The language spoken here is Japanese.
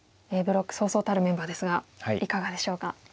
ブロックそうそうたるメンバーですがいかがでしょうか？